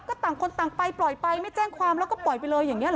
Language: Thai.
ก็ต่างคนต่างไปปล่อยไปไม่แจ้งความแล้วก็ปล่อยไปเลยอย่างนี้ห